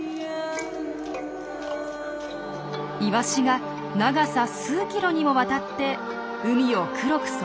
イワシが長さ数キロにもわたって海を黒く染めています。